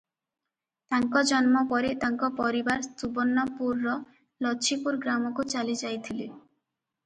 ତାଙ୍କ ଜନ୍ମ ପରେ ତାଙ୍କ ପରିବାର ସୁବର୍ଣ୍ଣପୁରର ଲଛିପୁର ଗ୍ରାମକୁ ଚାଲିଯାଇଥିଲେ ।